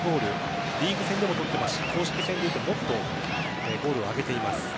リーグ戦でもとってますし公式戦でいうともっとゴールを挙げています。